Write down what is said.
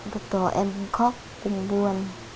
lúc đó em khóc em buồn